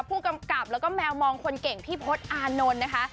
ผู้กำกับแล้วก็แมวมองคนเก่งพี่พศอานนท์นะคะ